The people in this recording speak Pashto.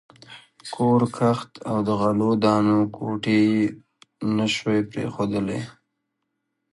کور، کښت او د غلو دانو کوټې یې نه شوای پرېښودلای.